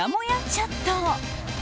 チャット。